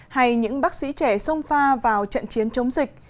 hay những bác sĩ trẻ sông pha vào trận chiến chống dịch